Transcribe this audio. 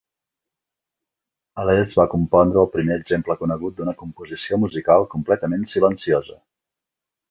Allais va compondre el primer exemple conegut d'una composició musical completament silenciosa.